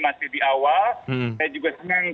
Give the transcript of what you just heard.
masih di awal saya juga senang